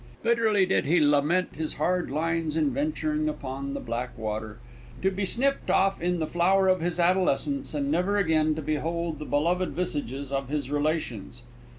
Bitterly did he lament his hard lines in venturing upon the Black Water, to be snipped off in the flower of his adolescence, and never again to behold the beloved visages of his relations!